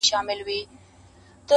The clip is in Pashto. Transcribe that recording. څوك به ويښ څوك به بيده څوك نا آرام وو؛